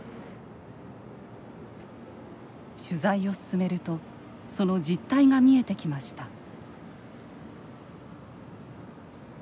取材を進めるとその実態が見えてきました。